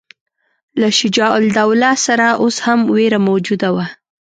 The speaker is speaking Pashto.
له شجاع الدوله سره اوس هم وېره موجوده وه.